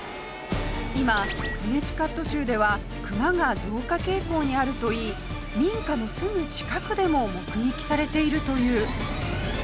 今コネチカット州ではクマが増加傾向にあるといい民家のすぐ近くでも目撃されているという